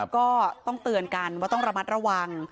ก็ต้องเตือนกันว่าต้องระมัดระวัง